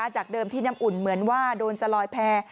จากเดิมที่น้ำอุ่นเหมือนว่าโดนจะลอยแพร่